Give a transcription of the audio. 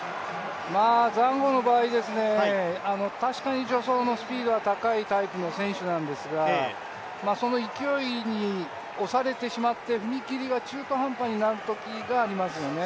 ザンゴの場合、確かに助走のスピードは高いタイプの選手なんですがその勢いに押されてしまって踏み切りが中途半端になるときがありますよね。